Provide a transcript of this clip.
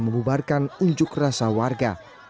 mengubarkan unjuk rasa warga